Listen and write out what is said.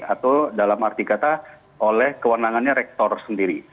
atau dalam arti kata oleh kewenangannya rektor sendiri